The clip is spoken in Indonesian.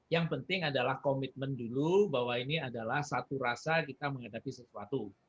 yang penting adalah komitmen dulu bahwa ini adalah satu rasa kita menghadapi sesuatu